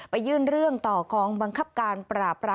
ยื่นเรื่องต่อกองบังคับการปราบราม